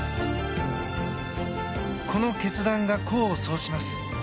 この決断が功を奏します。